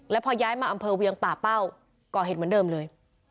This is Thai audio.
แล้วพอย้ายมาอำเภอเวียงป่าเป้าก่อเหตุเหมือนเดิมเลย